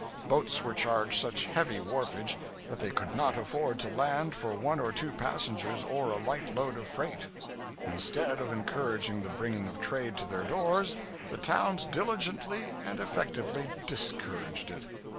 Boats were charged such heavy wharfage that they could not afford to land for one or two passengers or a light lot of freight. Instead of encouraging the bringing of trade to their doors, the towns diligently and effectively discouraged it.